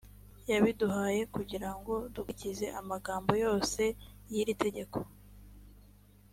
yabiduhaye kugira ngo dukurikize amagambo yose y’iri tegeko.